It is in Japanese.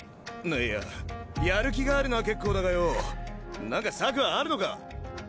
いややる気があるのは結構だがよなんか策はあるのか？